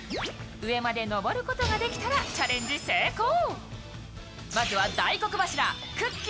上まで登ることができたらチャレンジ成功。